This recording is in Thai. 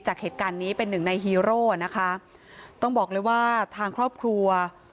จากเหตุการณ์นี้เป็นหนึ่งในฮีโร่นะคะต้องบอกเลยว่าทางครอบครัว